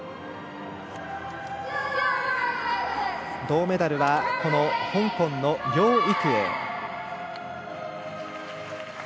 銅メダルは香港の梁育栄。